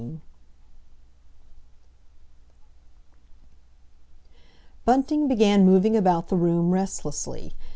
Bunting began moving about the room restlessly.